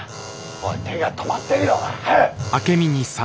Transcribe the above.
おい手が止まってるよ。早く！」。